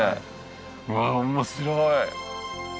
うわ面白い。